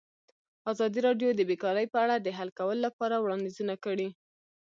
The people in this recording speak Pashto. ازادي راډیو د بیکاري په اړه د حل کولو لپاره وړاندیزونه کړي.